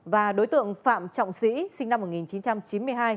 và đối tượng phạm trọng sĩ sinh năm